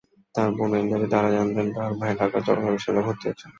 তাঁর বোনের দাবি, তাঁরা জানতেন, তাঁর ভাই ঢাকার জগন্নাথ বিশ্ববিদ্যালয়ে ভর্তি হয়েছেন।